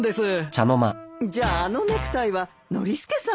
じゃああのネクタイはノリスケさんが。